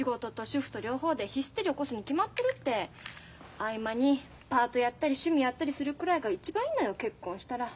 合間にパートやったり趣味やったりするくらいが一番いいのよ結婚したら。